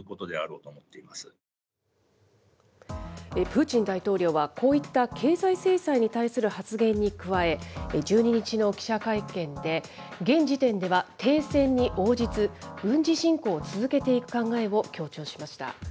プーチン大統領は、こういった経済制裁に対する発言に加え、１２日の記者会見で、現時点では停戦に応じず、軍事侵攻を続けていく考えを強調しました。